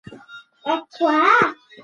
خوشحالي له نورو سره شریکه کړئ.